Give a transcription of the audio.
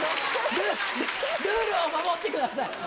ルールを守ってください。